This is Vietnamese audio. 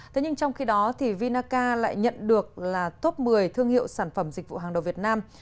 thế nhưng trong khi đó thì vinaca lại nhận được là top một mươi thương hiệu sản phẩm dịch vụ hàng đầu việt nam